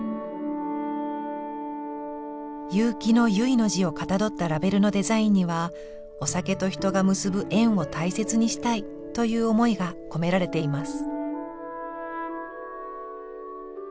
結城の「結」の字をかたどったラベルのデザインにはお酒と人が結ぶ縁を大切にしたいという思いが込められています。